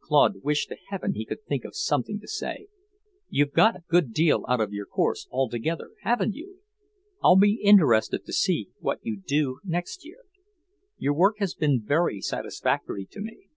Claude wished to heaven he could think of something to say. "You've got a good deal out of your course, altogether, haven't you? I'll be interested to see what you do next year. Your work has been very satisfactory to me."